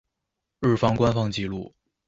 日方官方紀錄